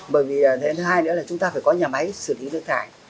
bởi vì thứ hai nữa là chúng ta phải có nhà máy xử lý nước thải